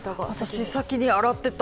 私、先に洗ってた。